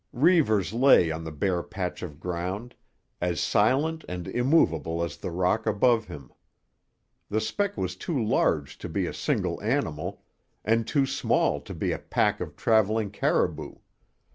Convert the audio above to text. Reivers lay on the bare patch of ground, as silent and immovable as the rock above him. The speck was too large to be a single animal and too small to be a pack of travelling caribou.